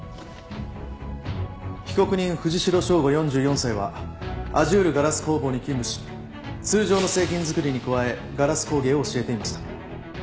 被告人藤代省吾４４歳はアジュールガラス工房に勤務し通常の製品作りに加えガラス工芸を教えていました。